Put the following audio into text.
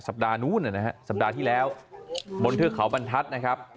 ปัดนู้นนะฮะสัปดาห์ที่แล้วบนเทือกเขาบรรทัศน์นะครับ